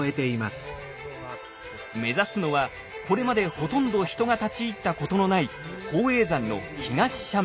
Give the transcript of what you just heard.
目指すのはこれまでほとんど人が立ち入ったことのない宝永山の東斜面。